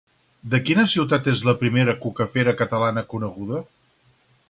De quina ciutat és la primera Cucafera catalana coneguda?